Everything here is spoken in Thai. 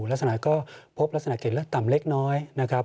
ลักษณะก็พบลักษณะเกร็ดต่ำเล็กน้อยนะครับ